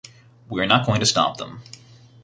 We are not going to stop them.